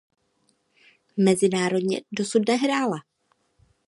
Mezinárodně dosud nehrála.